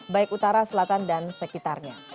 baik utara selatan dan sekitarnya